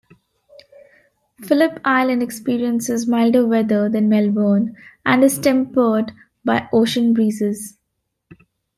Phillip Island experiences milder weather than Melbourne and is tempered by ocean breezes.